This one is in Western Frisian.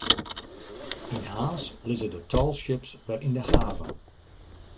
Yn Harns lizze de tallships wer yn de haven.